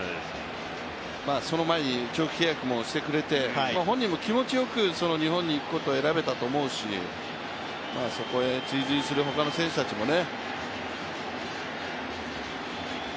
その前に長期契約もしてくれて、本人も気持ちよく日本に行くことを選べたと思うしそこへ追随する、ほかの選手たちもね。